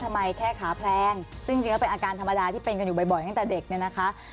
แค่ขาแพลงซึ่งจริงแล้วเป็นอาการธรรมดาที่เป็นกันอยู่บ่อยตั้งแต่เด็กเนี่ยนะคะ